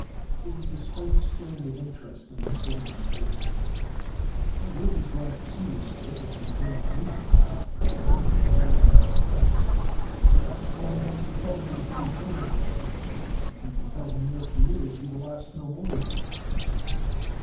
There was a slight stirring of interest in the soldier's face. "He will be glad to see you, sir, if you bring news of her." "Eh, yes? Perhaps what I have to tell will be of no interest to him." "If you can tell him where she is he will ask no more of you."